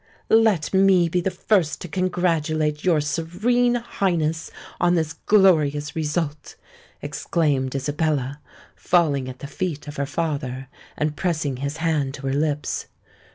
'" "Let me be the first to congratulate your Serene Highness on this glorious result!" exclaimed Isabella, falling at the feet of her father, and pressing his hand to her lips.